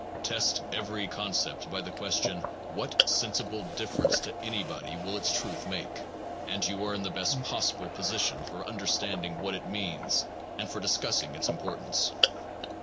Test every concept by the question What sensible difference to anybody will its truth make? and you are in the best possible position for understanding what it means and for discussing its importance.